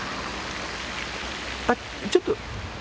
あっちょっと。